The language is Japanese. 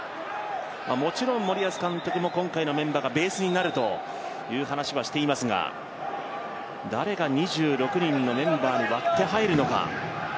もちろん森保監督も今回のメンバーがベースになるという話をしていますが、誰が２６人のメンバーに割って入るのか。